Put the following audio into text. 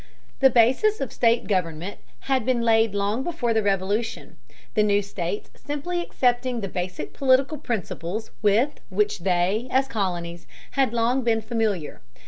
The basis of state government had been laid long before the Revolution, the new states simply accepting the basic political principles with which they, as colonies, had long been familiar.